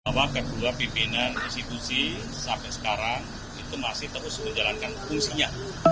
bahwa kedua pimpinan institusi sampai sekarang itu masih terus menjalankan fungsinya